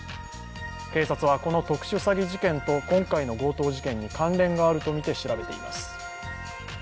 警察は、この特殊詐欺事件と今回の強盗事件に関連があるとみて調べています。